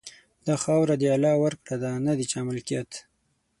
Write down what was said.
دا خاوره د الله ورکړه ده، نه د چا ملکیت.